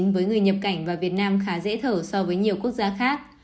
với người nhập cảnh vào việt nam khá dễ thở so với nhiều quốc gia khác